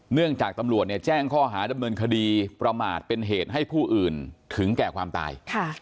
เนื่องจากตำรวจแจ้งข้อหาดำเนินคดีประมาทเป็นเหตุให้ผู้อื่นถึงแก่ความตาย